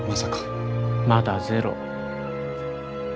まだゼロ。